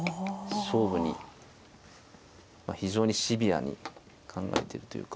勝負にまあ非常にシビアに考えてるというか。